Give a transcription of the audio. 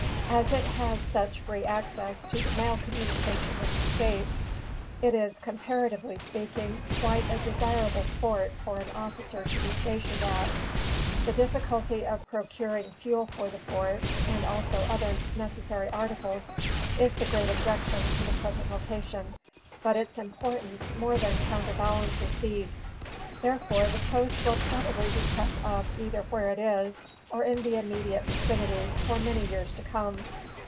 As it has such free access to the mail communication with the States, it is, comparatively speaking, quite a desirable fort for an officer to be stationed at. The difficulty of procuring fuel for the fort, and also other necessary articles, is the great objection to the present location, but its importance more than counterbalances these; therefore, the post will probably be kept up either where it is, or in the immediate vicinity, for many years to come.